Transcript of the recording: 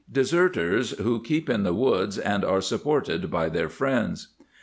Camp Diversions serters], who keep in the woods, and are sup ported by their friends."